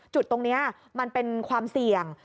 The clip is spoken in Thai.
จุดตรงนี้มันเป็นความเสี่ยง